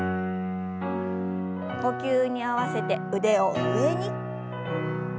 呼吸に合わせて腕を上に。